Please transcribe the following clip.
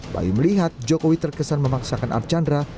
bayu melihat jokowi terkesan memaksakan archandra